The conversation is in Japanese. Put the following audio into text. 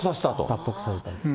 脱北させたんです。